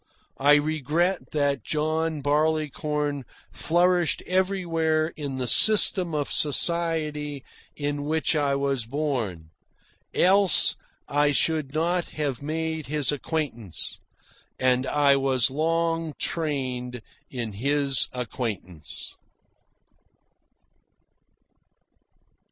I regret that John Barleycorn flourished everywhere in the system of society in which I was born, else I should not have made his acquaintance, and I was long trained in his acquaintance.